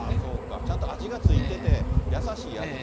ちゃんと味が付いてて、優しい味で。